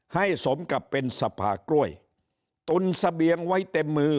สมกับเป็นสภากล้วยตุนเสบียงไว้เต็มมือ